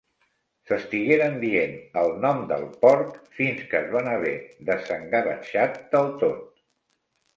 S'estigueren dient el nom del porc fins que es van haver desengavatxat del tot.